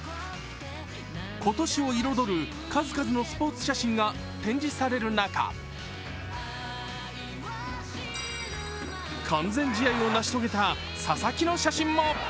今年を彩る数々のスポーツ写真が展示される中、完全試合を成し遂げた佐々木の写真も。